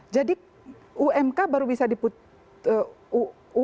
jadi umk baru bisa diputuskan setelah ump